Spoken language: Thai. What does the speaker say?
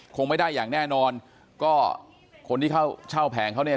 คงไม่ได้อย่างแน่นอนก็คนที่เข้าเช่าแผงเขาเนี่ย